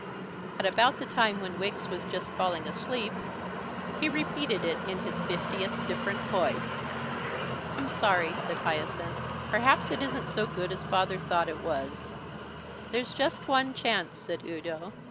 At about the time when Wiggs was just falling asleep, he repeated it in his fiftieth different voice. "I'm sorry," said Hyacinth; "perhaps it isn't so good as Father thought it was." "There's just one chance," said Udo.